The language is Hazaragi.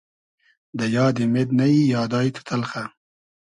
دۂ یادیم اېد نئیی یادای تو تئلخۂ